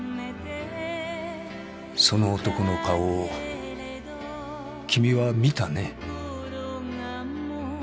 その男の顔を君は見たね？